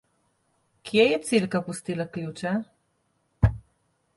Kje je Cilka pustila ključe?